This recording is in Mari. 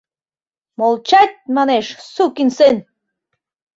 — Молчать, манеш, сукин сын!